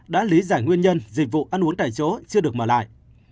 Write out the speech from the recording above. đã lý giải nguyên nhân dịch vụ ăn uống tại chỗ chưa được mở lại